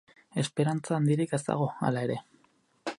Esperantza handirik ez dago, hala ere.